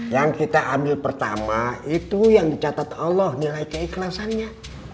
yang kita ambil pertama itu yang dicatat allah nilai keikhlasannya